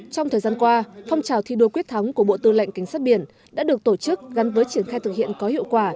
trong thời gian qua phong trào thi đua quyết thắng của bộ tư lệnh cảnh sát biển đã được tổ chức gắn với triển khai thực hiện có hiệu quả